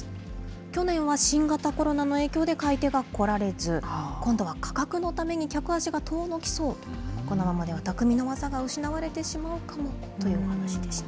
去年は新型コロナの影響で買い手が来られず、今度は価格のために客足が遠のきそうと、このままではたくみの技が失われてしまうかもというお話でした。